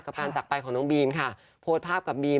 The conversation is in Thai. การจักรไปของน้องบีมค่ะโพสต์ภาพกับบีม